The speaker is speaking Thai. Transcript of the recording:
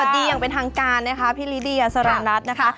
ดีอย่างเป็นทางการนะคะพี่ลิเดียสารนัทนะคะ